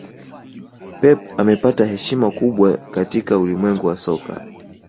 Pep amepata heshima kubwa katika ulimwengu wa soka